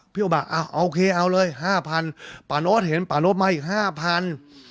พี่โอบะอ่าเอาเอาเลยห้าพันป่าโน๊ตเห็นป่าโน๊ตมาอีกห้าพัน